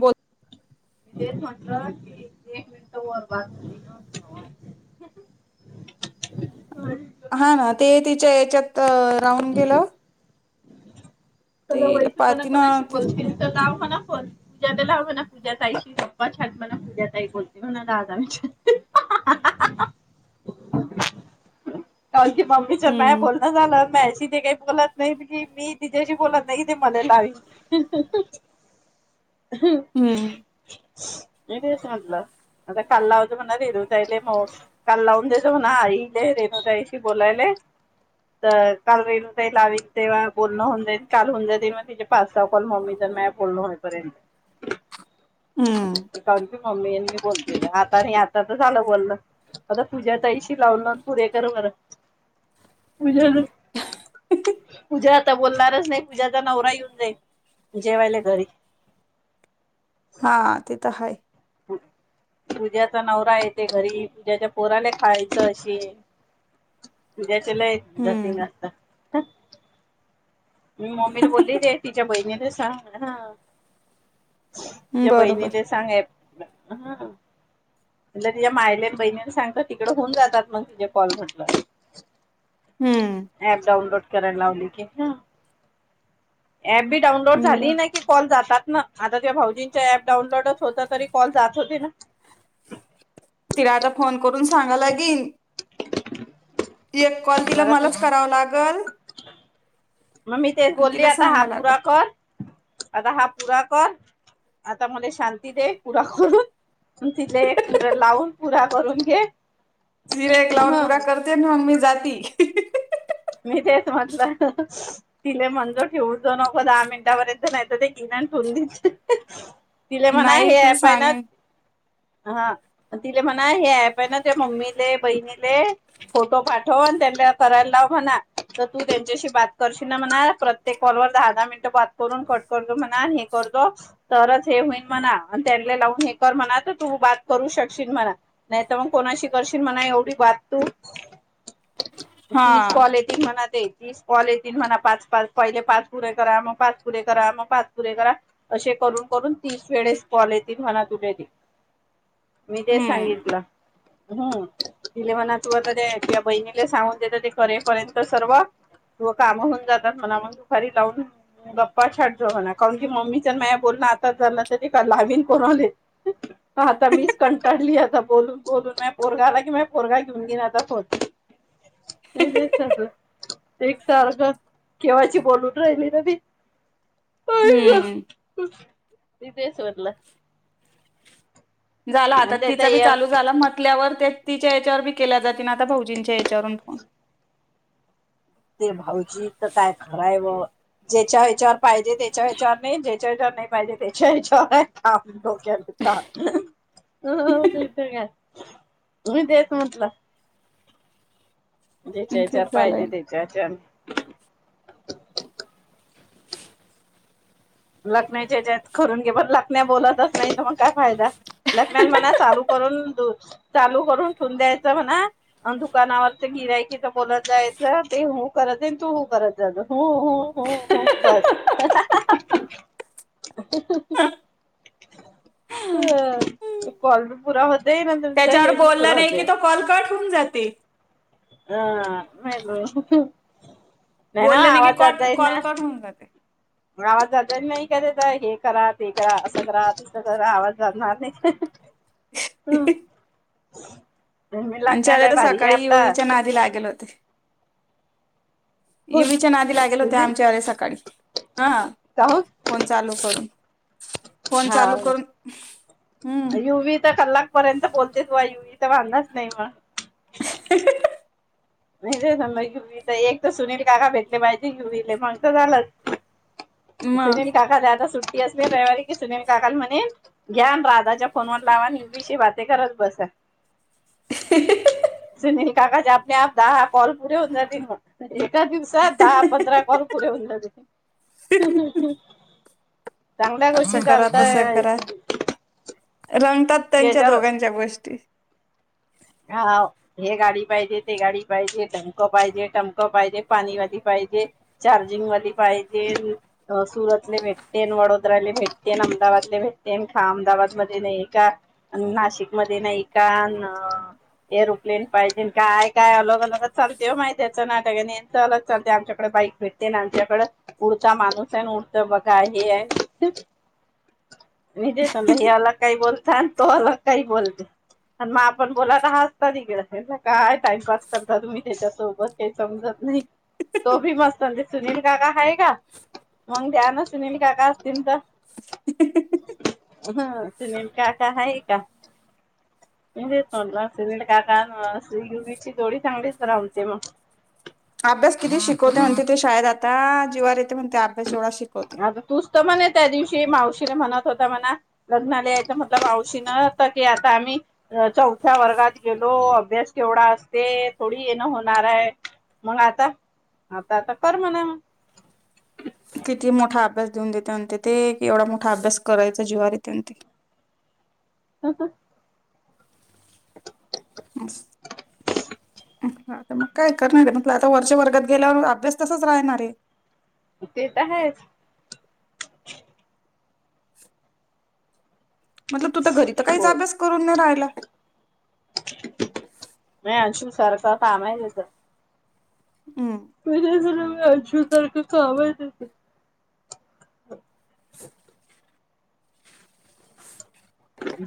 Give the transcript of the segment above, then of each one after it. बोल. म ते म्हट की एक मिनटरबा हो [inaudible] वर हा ना ते तिच्या याच्यात राहून गेल. त वै पणा पाती ना कोणाशी ते. बोलतील तर का होणा. पूजा बला होव ना पूजा ता शबा छड म ना पूजा ता बते म्ह ना द आजही. [inaudible] [unintelligible] काली मम्मीच्या म हम्म बोलण झालं म अशी ते काय बोलत नाही की मी तिच्याशी बोलत नाही ते मले लावील. हम्म मी तेच म्हटलं. आता काल लावुन देजो म्हणा रेणुताईले काल लाऊन देजो म्हणा आईले रेणु होता यायशी बोलायले. तर काल रेणुताई लावीण तेव्हा बोलणं होऊन जाईल काल होऊन जातील मग तिचे पाच सहा कॉल मम्मी [unintelligible] [unintelligible] हम्म. काकी मम्मी यांनी मी बोलते आता आता तर झालं बोललं आता पुजा ताईशी लावुन लावुन पुरे कर बर पूजा, पूजा आता बोलणारच नाही पूझ्याचा नवरा येऊन जाई जेवायले घरी. हा ते तर हाय. पुज्याचा नवरा येते घरी पूज्याच्या पोराला खायचं असेल. [inaudible] त्याचे लय झनझट हम्म असता. मी मम्मीला बोलली रे तिच्या बहिणी ले सांग ह. तुझ्या बरोबर बहिणीले आग ऍप म्ह तिच्या्या मायले बहिणीने सांगत तिकड होऊन जातात मग तिझ कॉल म्हटलं हम्म ऍप डाउनलोड करायला लावली की ह ऍप बी डाउनलोड हम्म, बर झाली नाही की कॉल जातात ना आता तेव भाऊजींच्या ऍप डाउनलोडच होत तरी कॉल जात होते ना. तिला आता फोन करून सांगा लागेल. ह [inaudible] ते एक कॉल तिला मलाच कराव लागल. मग मी तेच आणि बोलली तिला आता हा सांगा लागल पुरा कर आता हा पुरा कर आता मध्ये शांती दे पुरा करून. तिले एक पारा लावून पुरा करून घे. तिले एक लावून ह पुरा करती म्हग मी जाती. मी तेच म्हटलं तिले म्हणजो ठेवजो नको दहा मिनिटापर्यंत नाही तर ते घीन [unintelligible] तिले म्हणा नाही हे तिला ऍप आहेन. सांगेन हा तिले म्हणा हे ऍप आहे ना त्या मम्मीले बहिणीले फोटो पाठव. पण त्यांना करायला लाव. म्हणा तर तू त्यांच्याशी बात करशील ना म्हणा प्रत्येक कॉलवरर दहा दहा मिनिटं बात करून कट करत म्ह हे करजो तरच हे होईल म्हणा त्यांना लावून हे कर म्हणा तर तू बात करू शकशील. मला नाही तर मग कोणाशी करशील म्हणा एवढी बात तू [inaudible] हा तीस कॉल येतील म्हणाते. तीस कॉल येतील म्हणा पाच, पाच पहिले पाच पुरे करा मग, पाच पुरे करा मग, पाच पुरे करा असे. करून करून तीस वेळेस कॉल त म्हणा तुझा ते. [unintelligible] मी ते हम्म सांगितलं. हुं तिले म्हणा तू आता ते बहिणीला सांगून देत ते करे प्रयत्न सर्व. तू काम होऊन जातात म्हणा मग दुपारी लावून गप्पा छाटजो म्हणा. काऊन की मम्मीच्या माया बोल आता झालं त का लावीन कोणाले. आता मीच कंटाळली. बोलून बोलून माय पोरगा आला की, मया पोरगा घेऊन घेईल आता फोन. [unintelligible] एक सारख केव्हाची बोलून राहायली ना मी. हुम्म मी ते सोडल. झाला आता त्याचा तिचा बी एअर चालू झाला म्हटल्यांवर ते तिच्या याच्यावर बी केल्या जातील ना आता भाऊजींच्या याच्यांवरून फोन ते भाऊजी तर काय खराय व ज्याच्या हचार पाहिजे त्याच्या ह्याच्यावर नाही जे ज्याच्यावर नाही पाहिजे त्याच्या याच्यावर काम डोक्या ला ताप हं हं मीळते गॅस मी तेच म्हटलं. ज्याच्यायाच्यावर तेच झालंय पाहिजे त्याच्या याच्यावर लखनाच्या ह्याच्यात करून घे, पण लखण्या बोलतच नाही तर मग काय फायदा. लाखाण्याला म्हणा चालू करून दु चालू करून ठेवून द्यायचं म्हणा दुकानावरच [inaudible] [unintelligible] हं काॅल पुरा होत तेनंतरच त्याच्यावर हे बी पुर बोलला नाही की होते. तो कॉल कट होऊन जाते हा मैलो न्या बोललं नाही की आवाजात कॉट जाई कॉल ना. कट होऊन जाते मग आवाज जात जात [inaudible] की त्याचा हे करा ते करा असं करा तसं करा आवाज जाणार नाही हुम्म नीं आमचे लखण्या आले लयी तर भारी आहे सकाळी आपला. युवीच्या नादी लागेल होते कोण युवीच्या नादी लागेल होत्या सुधीर आमच्यावर वेळी सकाळी हा काहून फोन चालू करून, फोन चालू करून हा हम्म युवी तर कलाक [unintelligible] [inaudible] पर्यंत बोलते त युवी तर अदांज नाही मला. [unintelligible] [unintelligible] नाही म घवी तर एक तर सुनील काका भेटले माहिजे घ्युवीले मग तर झालंच [unintelligible] मग सुनील काका ज्यादा सुट्टी असेल रविवारी सुनील काका म्हणे ज्याञ [unintelligible] रा दादाच्या फोन वर लावा आणि युबीशी बाते करत बसा. ह [unintelligible] सुनील काका च्या आपने आप दहा ह कॉल पुरे होऊन जातिल मग. तर दिवसात दहा पंधरा काॅल पुरे होऊन जातील. चांगल्या गोष्टी असं करा तसं चालताय करा रंगतात त्यांच्या त्याच्यावर दोघांच्या गोष्टी. हा हे गाडी पाहिजे ते गाडी पाहिजे तमक पाहिजे टमक पाहिजे पाणी गाड़ी पाहिजे. चार्जिंगवाली पाहिजे अ सुरतले भेटते, बडोद्याला भेटते अहमदाबादले भेटते का? अहमदाबादमध्येध्ये नाही का? नाशिकमध्येध्ये नाही का एरोप्लेन पाहिजे काय काय अलग अलगच चालते माहीत त्याच नाटक आणी ह्याचं अलग चालते आमच्या बाईक भेटते ना आमच्याकडं उडता माणूस आहे उडतं गं बघा हे आहे [inaudible] मी जेे अलग काय बोलताय, तो अलग काय बोलते आणि मग आपण बोलाता ह असता तिकडे काय टाइमपास करता तुम्ही त्याच्या सोबत तेच समजत नाही. तो भी मस्त सुनील काका हाय का? मग दया ना सुनील काका असतील तर ह ते नेमका आका आहे का? म्हणजे आम सुनिल काकाची सुई ची चांगलीच जोडी रमते मग अभ्यास किती शिकवता म्हणते ते शाळेत आता जीवावर येते म्हणते अभ्यास शिकवते. आता तूच तर मने त्या दिवशी मावशीला म्हणत होता म्हणा, लग्नाला यायच म्हटलं मावशी नत की आता आम्ही चौथ्या वर्गात गेलो, अभ्यास केवढा असते, थोडी येण होणार आहे, मग आ आता, आता, आता कर म्हणा मग [inaudible] किती मोठा अभ्यास देऊन देतेन ते, एवढा मोठा अभ्यास करायचा जिवारी येते ते [inaudible] हो [unintelligible] मस! आता मग काय करणार म्हतलं, आता वरच्या वर्गात गेल्यावर अभ्यास तसाच राहणार ए ते त आहेच. मतलब तु त घरी त काहीच हो अभ्यास करून नाही राहिला. सारख काम आहे तेच हम्म म्ह झा म आूसारखं काम आहेऽऽ [unintelligible]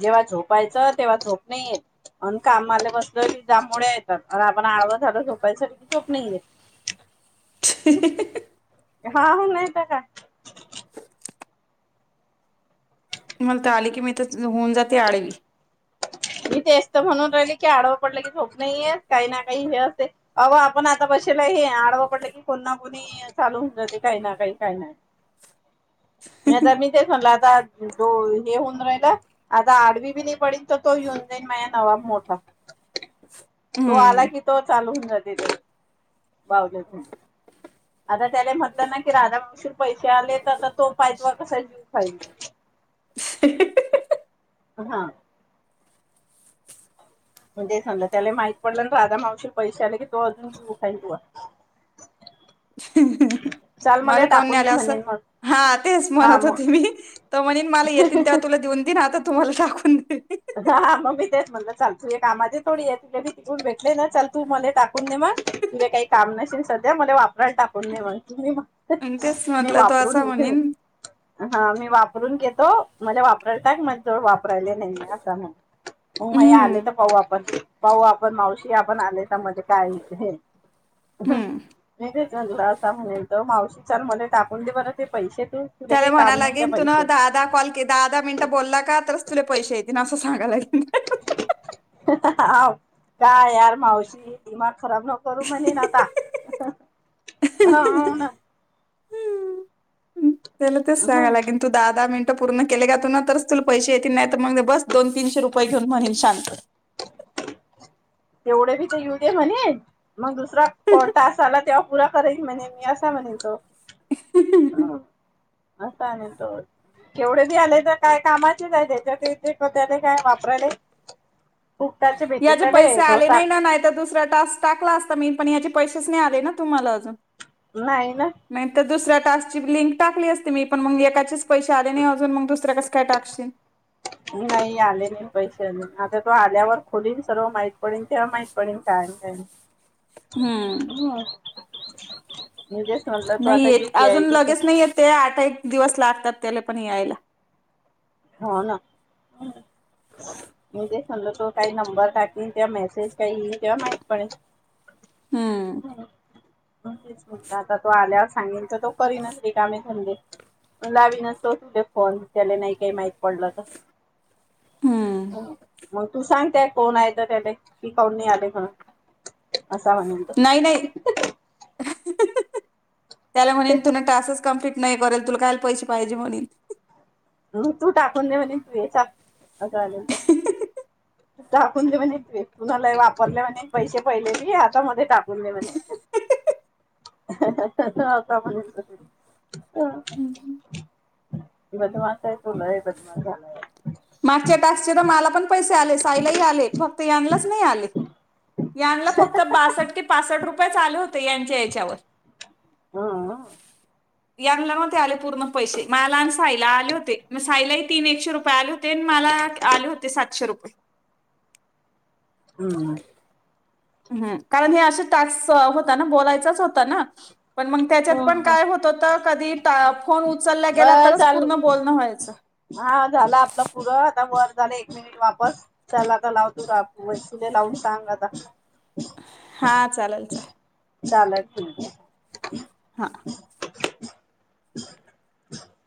जेव्हा झोपायचं तेव्हा झोप नाही येत आणि कामाला बसल कि जांभोळ्या येतात, आणि आपण आडव झालं झोपायसाठी की झोप नाहीयेत [unintelligible] हा नाही त काय? मला त आले की मी त होऊन जाते आडवी. मी तेच तर म्हणून राहिले की आडव, पडलं की झोप नाहीे ऐत, काही ना काही हे असते, अव आपण आता ब शेल हे आडवा पडले की कोण ना कोणी चालू होऊन जाते काही ना काही काही ना [inaudible] मे आता मी तेच म्हणलं आता, हे होऊन राहिल आता आडवी बी नाही पडीन त तो ये ऊन जाईन माया नवाब मोठा तो आला हम्म की तो चालु होऊन जाते, बावल्या ठिऊन. आता त्याले म्हटलं ना कि राधा मावशी ल पैसे आले तर तर आता तो पायतवर कसा जीव खायील [unintelligible] हा! म्हणजे समजा त्याला माहित पडलं न राधा मावशील पैसे आले की तो अजून जीऊ खायी ल तुवा [inaudible] [unintelligible] मला काहुन नाही टाकून दे आलंय असं म्हणेन मग हां तेच हा म्हणत होते मी मग तो म्हनीन माला येतीन तेव्हा तुला देऊन देईन आता तु माला टाकून देईन. हा हा मग मी तेच म्हणलं चालतू एक कामाची थोडी हेल्प केली तिकून भेटले ना चाल तू मले टाकून दे म आ तुझ्या काही काम नसेल सध्या, मले वापराला टाकून दे मग आणि तेच मी म्हटलं तो वापरू असा न म्हणेन हां मी वापरून घेतो, मले वापरायला टाक, मज जवळ वापरायले नाही असं मग माये आले हम्म तर पाऊ आपण, पाऊ आपण मावशी आपण आले तर माझे काहीच हूं! हम्म चांगला असा म्हणेल त मावशी चाल मले टाकून दे बर ते पैसे तू तुला त्याला काही म्हणा काम नाही त्या लागेन तु न पैसे दहादा, कॉल के दहादा मिनिटं बोलला का, तरच तुले पैसे येतीलं असं सा सांगालाय हाव काय यार मावशी दीमाग खराब नको करू म्हनेन आता, आ हो ना. त्याला तेच सांगयला ह लागिन तु दहा, दहा मिन ट पूर्ण केले का तुन, तरच तुला पैसे येतील, नाही तर मग बस दोन, तीनशे रुपये घेऊन म्हनीन शांत [inaudible] तेवढे भी त येऊ दे म्हणे, मग दुसरा कोल टास आला तेव्हा पुरा करेल म्हणे मी, असा म्हणेन तो अ असा नी तो केवढे बी आले य त काय कामाचेच आहे त्याच्या ते त्याले काय वापराले. खूप त्याचे भेटून याचे नाही ना पैसे येत आले नाही ना नाही तर दुसरा टास्क टाकला असता मी पण याचे पैसेच नाही आले ना तुम्हाला अजून. नाही ना नाहीतर दुसऱ्या टास्ची लिंक टाकली असती मी पण मग येकाचीच पैसे आले नाही अजून मग दुसर कस काय टाकशीन नाही आले नाही पैसे अजून आता तो आल्यावर खोलीन सर्व माहित पडीन तेव्हा माहीत पडीन काय न काही नाही. हम्म! [inaudible] म्हणलं तो नाही आता येत युपीआय अजून लगेच नाही येत ते आठ एक दिवस लागतात त्याला पण यायला. हो ना. [inaudible] मी ते समलो तो काही नंबर टाकीेन तेव्हा मेसेज काही इन तेव्हा माहीत पडीन. हम्म. तेच म्हणल आता तो आल्यावर सांगेन तर तो करीन रिकामे धंदे. लावी नसतो तुले फोन. त्याला नाही कायी माहित पडलं त. हम्म मग तू सांग त्यास कोण आहे तर त्याले ती काउन नाही आली म्हणून. असा म्हणेल तो. नाही नाही त्याला म्हणेन तुन टासच कंप्लीट नाही करेल तुला कायल पैसे पाहिजे म्हणेन. ह तू टाकून दे म्हणे तू याचा टाकून दे म्हणे कुणाला वापरले म्हणे पैसे पहिलेले बी हातामध्ये टाकून दे म्हणे. आता म्हनेन तो की बदमास आहे तो लय बदमास झालाय. मागच्या टास्कचे तर मला पण पैसे आले आई ला ही आले फक्त यानलाच नाही आले यानला फक्त बासट ते पासट रुपयेच आले होते यांच्या येच्यावर. हम्म यांनला नवते आले पूर्ण पैसे मला आणि साईला आले होते म साईलाही तीन एकशे रुपये आले होते. मला आले होते सातशे रुपये. हम्मम. हम् कारण हे असे टास्क होता ना बोलायचाच होता ना. पण मग त्याच्यात पण काय होत होत कधी टा- फोन उचलला गेला अ तरच चाल पूर्ण बोलणं व्हायचं हा झाला आपलं पुरं आता वर झाले एक मिनिट [inaudible] वापस चल आता लाव तुला वयसूले लावून सांग आता. हा चालेल चालेल चालेल ठीकये [inaudible] हा. [inaudible]